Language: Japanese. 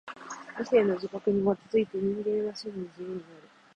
理性の自覚に基づいて人間は真に自由になる。